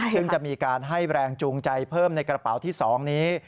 ซึ่งจะมีการให้แรงจูงใจเพิ่มในกระเป๋าที่๒นี้